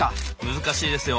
難しいですよ。